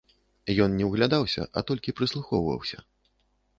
Ён не ўглядаўся, а толькі прыслухоўваўся.